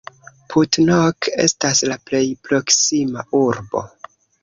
Putnok estas la plej proksima urbo.